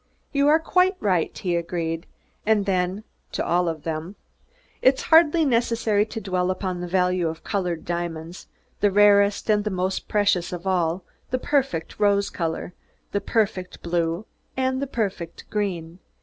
"You are quite right," he agreed; and then, to all of them: "It's hardly necessary to dwell upon the value of colored diamonds the rarest and most precious of all the perfect rose color, the perfect blue and the perfect green."